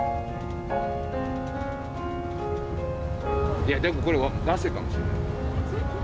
いやでもこれはガセかもしれない。